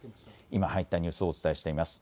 今入ったニュースをお伝えしています。